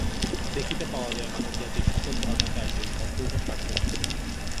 দেখিতে পাওয়া যায়, মানবজাতির সকল ধর্মাচার্যই সম্পূর্ণ স্বার্থশূন্য।